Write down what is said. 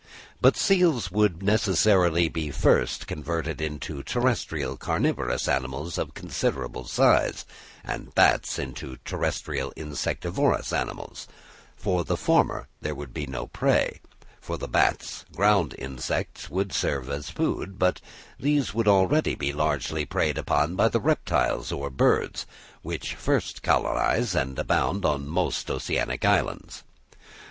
But seals would necessarily be first converted into terrestrial carnivorous animals of considerable size, and bats into terrestrial insectivorous animals; for the former there would be no prey; for the bats ground insects would serve as food, but these would already be largely preyed on by the reptiles or birds, which first colonise and abound on most oceanic islands.